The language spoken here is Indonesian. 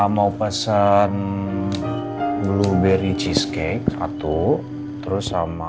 mau pesan blueberry cheesecake satu terus sama